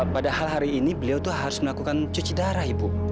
padahal hari ini beliau itu harus melakukan cuci darah ibu